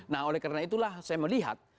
nah oleh karena itulah saya melihat